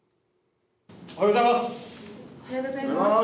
おはようございます。